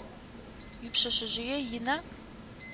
Уипшъэшъэжъые ина?